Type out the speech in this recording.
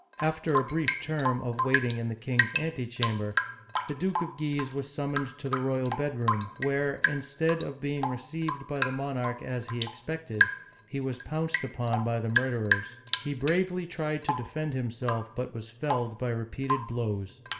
After a brief term of waiting in the king's antechamber, the Duke of Guise was summoned to the royal bedroom, where, instead of being received by the monarch as he expected, he was pounced upon by the murderers. He bravely tried to defend himself, but was felled by repeated blows.